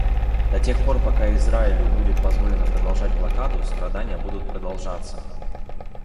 До тех пор пока Израилю будет позволено продолжать блокаду, страдания будут продолжаться.